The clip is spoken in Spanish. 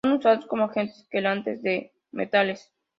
Son usados como agentes quelantes de metales.